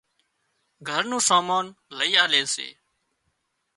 گھر نُون سامان لئي آلي سي